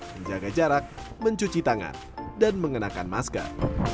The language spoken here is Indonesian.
menjaga jarak mencuci tangan dan mengenakan masker